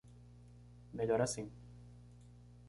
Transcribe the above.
Melhor assim.